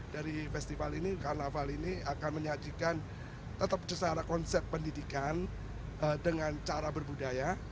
dari festival ini karnaval ini akan menyajikan tetap secara konsep pendidikan dengan cara berbudaya